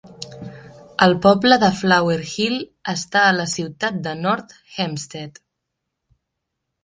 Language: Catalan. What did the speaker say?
El poble de Flower Hill està a la ciutat de North Hempstead.